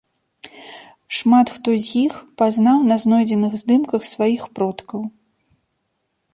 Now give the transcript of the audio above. Шмат хто з іх пазнаў на знойдзеных здымках сваіх продкаў.